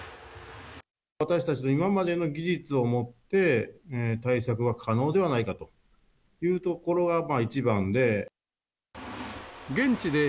私たちの今までの技術をもって、対策は可能ではないかというところが一番で。